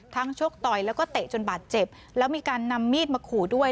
ชกต่อยแล้วก็เตะจนบาดเจ็บแล้วมีการนำมีดมาขู่ด้วย